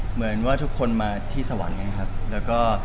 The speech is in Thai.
เหมือนทุกคนมาที่สวรรค์